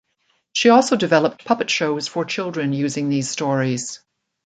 She also developed puppet shows for children using these stories.